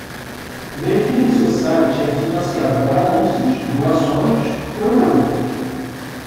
Verifique se o site é financiado por anúncios, doações ou outros.